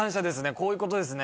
こういうことですね。